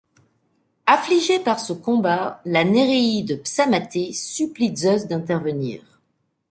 Affligée par ce combat, la Néréide Psamathée supplie Zeus d'intervenir.